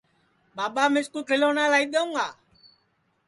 ٻاٻا مِِسکُو کھیلونا لائی دؔیوں گا